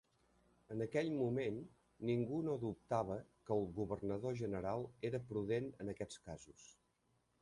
En aquell moment, ningú no dubtava que el governador general era prudent en aquests casos.